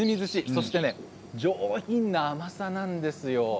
そして、上品な甘さなんですよ。